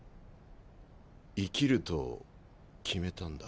生きると決めたんだ。